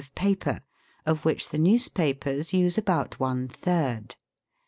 of paper, of which the newspapers use about one third.